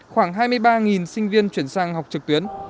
khoảng hai mươi ba sinh viên chuyển sang học trực tuyến